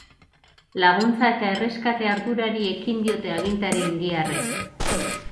Laguntza eta erreskate ardurari ekin diote agintari indiarrek.